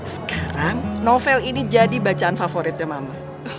sekarang novel ini jadi bacaan favoritnya mama